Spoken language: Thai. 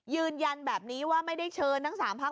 ยืนยันแบบนี้ว่าไม่ได้เชิญทั้ง๓พัก